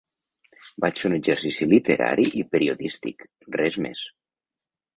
Vaig fer un exercici literari i periodístic, res més.